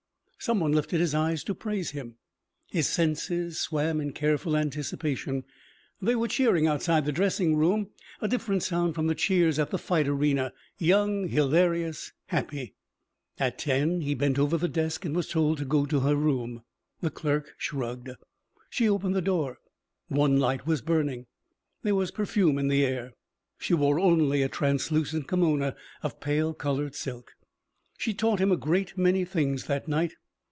Someone lifted his eyes to praise him. His senses swam in careful anticipation. They were cheering outside the dressing room. A different sound from the cheers at the fight arena. Young, hilarious, happy. At ten he bent over the desk and was told to go to her room. The clerk shrugged. She opened the door. One light was burning. There was perfume in the air. She wore only a translucent kimono of pale coloured silk. She taught him a great many things that night.